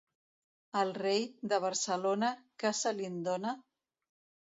Al rei, de Barcelona, què se li'n dóna?